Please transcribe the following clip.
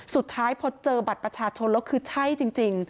สุดท้ายพอเจอบัตรประชาชนแล้วคือใช่จริง